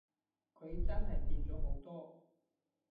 佢真係變咗好多